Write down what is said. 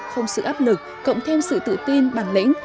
không sự áp lực cộng thêm sự tự tin bản lĩnh